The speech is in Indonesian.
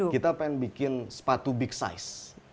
kita pengen bikin sepatu big size